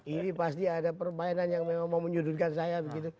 ini pasti ada permainan yang memang mau menyudutkan saya begitu